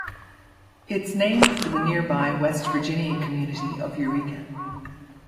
It's named for the nearby West Virginia community of Eureka.